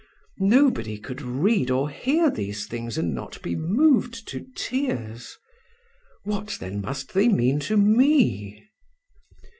Nobody could read or hear these things and not be moved to tears. What then must they mean to me?